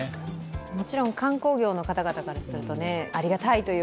もちろん観光業の方々からするとありがたいという